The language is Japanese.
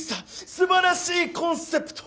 すばらしいコンセプト！